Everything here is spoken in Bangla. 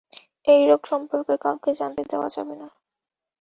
এই রোগ সম্পর্কে কাউকে জানতে দেওয়া যাবে না।